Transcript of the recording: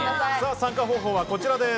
参加方法はこちらです。